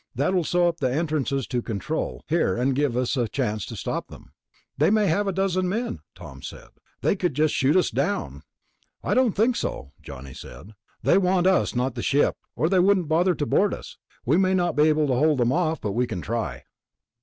That will sew up the entrances to control, here, and give us a chance to stop them." "They may have a dozen men," Tom said. "They could just shoot us down." "I don't think so," Johnny said. "They want us, not the ship, or they wouldn't bother to board us. We may not be able to hold them off, but we can try."